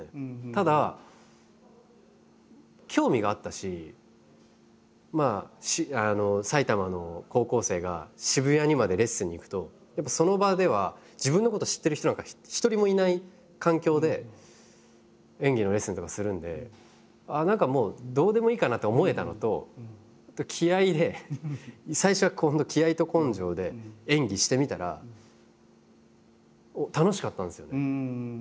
ただ興味があったし埼玉の高校生が渋谷にまでレッスンに行くとやっぱその場では自分のこと知ってる人なんか一人もいない環境で演技のレッスンとかするんでああ何かもうどうでもいいかなと思えたのと気合いで最初は気合いと根性で演技してみたら楽しかったんですよね。